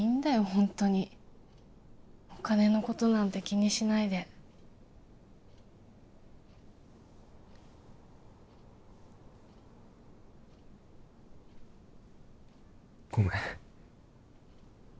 ホントにお金のことなんて気にしないでごめん